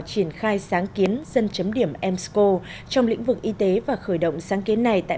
triển khai sáng kiến dân chấm điểm m sco trong lĩnh vực y tế và khởi động sáng kiến này tại